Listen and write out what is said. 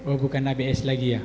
oh bukan abs lagi ya